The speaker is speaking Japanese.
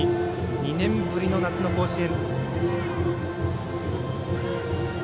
２年ぶりの夏の甲子園。